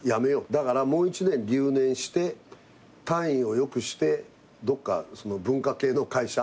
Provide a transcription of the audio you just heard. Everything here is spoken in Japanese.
だからもう１年留年して単位を良くしてどっか文化系の会社？